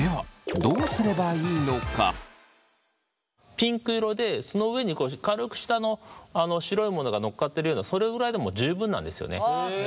ピンク色でその上に軽く舌の白いものがのっかってるようなそれぐらいでも十分なんですよね。